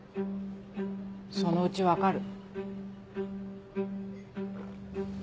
そのうち分かる。